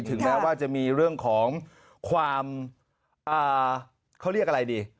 ถึงแม้ว่าจะมีเรื่องของความเขาเรียกอะไรดี